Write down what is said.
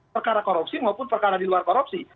perkara korupsi maupun perkara di luar korupsi